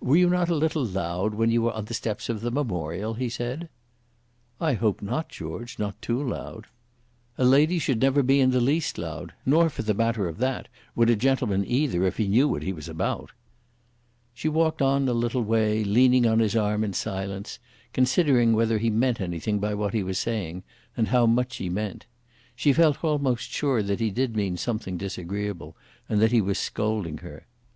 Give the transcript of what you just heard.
"Were you not a little loud when you were on the steps of the Memorial?" he said. "I hope not, George; not too loud." "A lady should never be in the least loud, nor for the matter of that would a gentleman either if he knew what he was about." She walked on a little way, leaning on his arm in silence, considering whether he meant anything by what he was saying, and how much he meant. She felt almost sure that he did mean something disagreeable, and that he was scolding her.